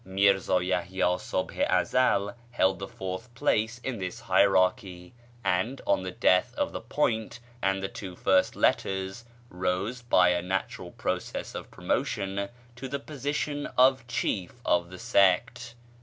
Mírzá Yahyá Subh i Ezel held the fourth place in this hierarchy, and, on the death of the "Point" and the two first "Letters," rose, by a natural process of promotion, to the position of chief of the sect1.